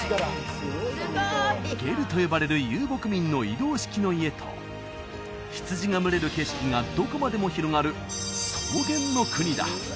ゲルと呼ばれる遊牧民の移動式の家と羊が群れる景色がどこまでも広がる草原の国だ